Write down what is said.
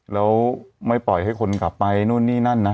แล้วไม่ปล่อยให้คนกลับไปนู่นนี่นั่นนะ